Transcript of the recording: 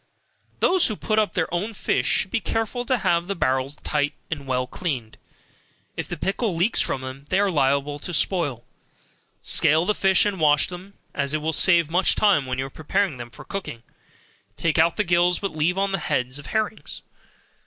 Those that put up their own fish should be careful to have the barrels tight and well cleaned, if the pickle leaks from them, they are liable to spoil. Scale the fish and wash them, as it will save much time, when you prepare them for cooking, take out the gills, but leave on the heads of herrings.